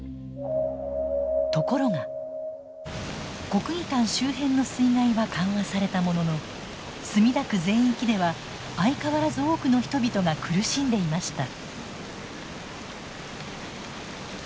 国技館周辺の水害は緩和されたものの墨田区全域では相変わらず多くの人々が苦しんでいました。